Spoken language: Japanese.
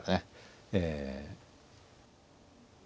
ええ。